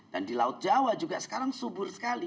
dan di laut jawa juga sekarang subur sekali